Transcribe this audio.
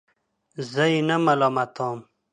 زه یې نه ملامتوم.